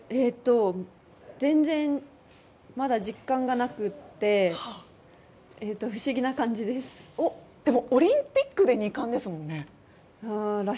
全然、まだ実感がなくてオリンピックで２冠ですもんね。